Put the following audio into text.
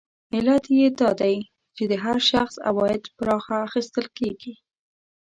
علت یې دا دی چې د هر شخص عواید پراخه اخیستل کېږي